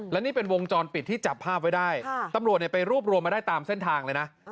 และนี่เป็นวงจรปิดที่จับภาพไว้ได้ตำรวจไปรวบรวมมาได้ตามเส้นทางเลยนะ